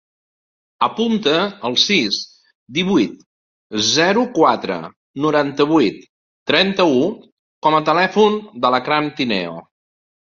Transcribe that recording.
Apunta el sis, divuit, zero, quatre, noranta-vuit, trenta-u com a telèfon de l'Akram Tineo.